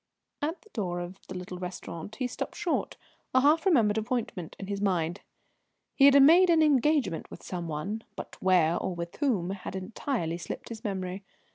At the door of the little restaurant he stopped short, a half remembered appointment in his mind. He had made an engagement with some one, but where, or with whom, had entirely slipped his memory.